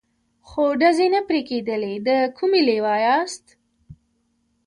خو ډزې نه پرې کېدلې، د کومې لوا یاست؟